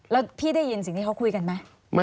แล้วพี่ได้ยินสิ่งที่เขาคุยกันไหม